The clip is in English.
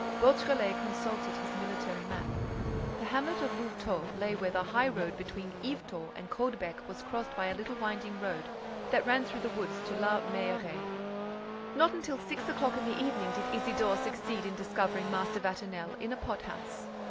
Beautrelet consulted his military map. The hamlet of Louvetot lay where the highroad between Yvetot and Caudebec was crossed by a little winding road that ran through the woods to La Mailleraie. Not until six o'clock in the evening did Isidore succeed in discovering Master Vatinel, in a pothouse.